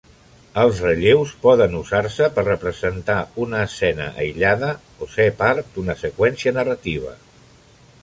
Els relleus poden usar-se per representar una escena aïllada o ser part d'una seqüència narrativa.